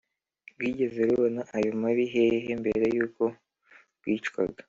rwigeze rubona ayo mabi hehe mbere y’uko rwicwaga